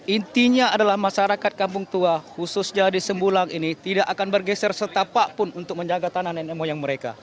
intinya adalah masyarakat kampung tua khususnya di sembulang ini tidak akan bergeser setapak pun untuk menjaga tanah nenek moyang mereka